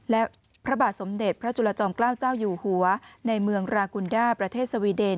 และพระบาทสมเด็จพระจุลจอมเกล้าเจ้าอยู่หัวในเมืองรากุลด้าประเทศสวีเดน